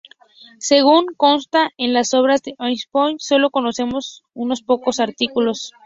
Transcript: Según consta en las obras de Asimov, sólo conocemos unos pocos artículos.